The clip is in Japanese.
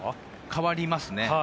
変わりますね。